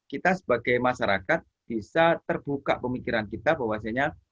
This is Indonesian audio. kita sebagai masyarakat bisa terbuka pemikiran kita bahwasanya